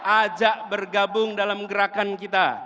ajak bergabung dalam gerakan kita